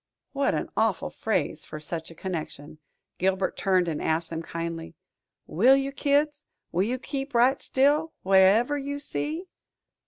what an awful phrase for such a connection! Gilbert turned and asked them kindly, "Will you, kids? Will you keep right still, whatever you see?"